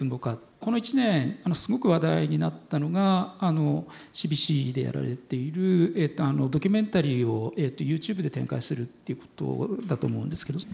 この一年すごく話題になったのがＣＢＣでやられているドキュメンタリーをＹｏｕＴｕｂｅで展開するっていうことだと思うんですけど。